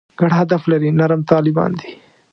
ګډ هدف لري «نرم طالبان» دي.